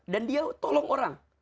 dan dia tolong orang